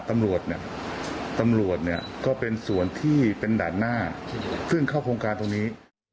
ตำรวจก็เป็นส่วนที่เป็นด่านหน้าซึ่งเข้าโครงการตรงนี้